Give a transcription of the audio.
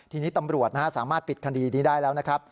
ทีนี้ตำรวจสามารถปิดคดีนี้ได้แล้วนะครับ